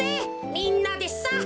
みんなでさ！